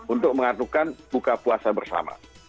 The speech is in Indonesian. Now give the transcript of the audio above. untuk mengatukan buka puasa bersama